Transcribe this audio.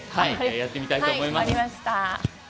やってみたいと思います。